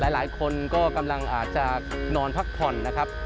หลายคนก็กำลังอาจจะนอนพักผ่อนนะครับ